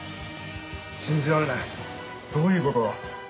信じられない！どういうことだ。